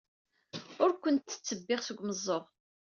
Ur kent-ttebbiɣ seg umeẓẓuɣ.